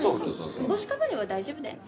帽子かぶれば大丈夫だよね。